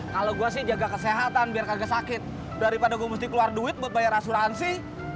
kalau gue sih jaga kesehatan biar kagak sakit daripada gue mesti keluar duit buat bayar asuransi